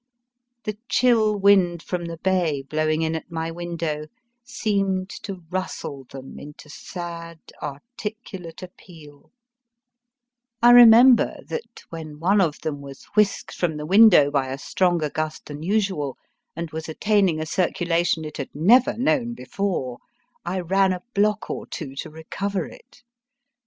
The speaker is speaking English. The chill wind from the Bay blowing in at my window seemed to rustle them into sad articulate appeal. I remember that S 2 A CIRCULATION IT HAD NEVER KNOWN BEFORE 260 MY FIRST BOOK when one of them was whisked from the window by a stronger gust than usual, and was attaining a circulation it had never known before, I ran a block or two to recover it.